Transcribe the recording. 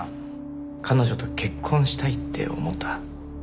彼女と結婚したいって思った。